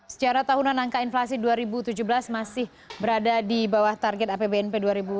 secara tahunan angka inflasi dua ribu tujuh belas masih berada di bawah target apbnp dua ribu delapan belas